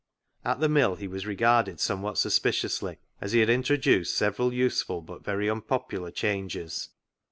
At the mill he was regarded somewhat sus piciously, as he had introduced several useful but very unpopular changes.